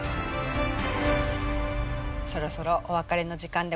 そろそろお別れの時間でございます。